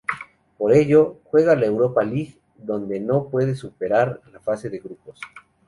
Por ello, juega la Europa League, donde no puede superar la fase de grupos.